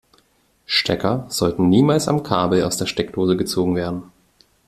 Stecker sollten niemals am Kabel aus der Steckdose gezogen werden.